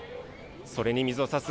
それに水をさす